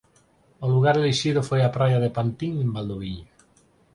O lugar elixido foi a praia de Pantín en Valdoviño.